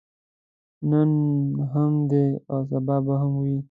نن هم دی او سبا به هم وي.